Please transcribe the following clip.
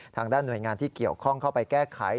ทางด้านหน่วยงานที่เกี่ยวข้องเข้าไปแก้ไข